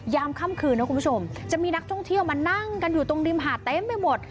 ค่ำคืนนะคุณผู้ชมจะมีนักท่องเที่ยวมานั่งกันอยู่ตรงริมหาดเต็มไปหมด